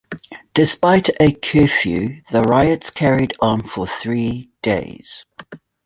Despite a curfew, the riots carried on for three days.